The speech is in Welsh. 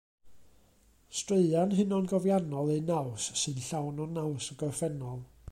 Straeon hunangofiannol eu naws sy'n llawn o naws y gorffennol.